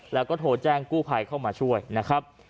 แล้วก็โทรแจ้งกู้ภัยเข้ามาช่วยนะครับ